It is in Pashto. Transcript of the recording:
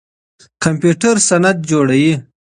کمپيوټر سند جوړوي.